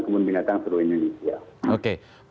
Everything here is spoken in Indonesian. kumun binatang seluruh indonesia